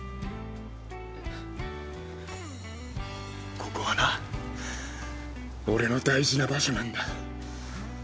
ここはな俺の大事な場所なんだ。